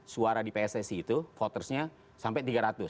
suara di pssi itu votersnya sampai tiga ratus